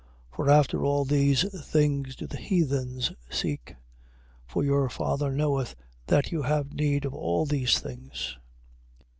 6:32. For after all these things do the heathens seek. For your Father knoweth that you have need of all these things.